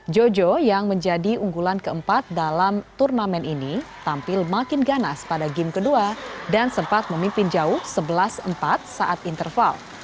jojo yang menjadi unggulan keempat dalam turnamen ini tampil makin ganas pada game kedua dan sempat memimpin jauh sebelas empat saat interval